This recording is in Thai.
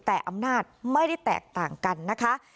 แต่อำนาจไม่ได้แตกต่างกันนะคะ